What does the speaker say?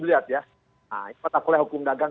lihat ya nah ini patah oleh hukum dagang